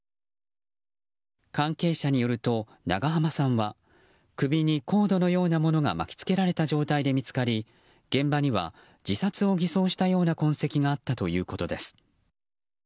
関係者によると、長濱さんは首にコードのようなものが巻きつけられた状態で見つかり現場には、自殺を偽装したような痕跡があったということです。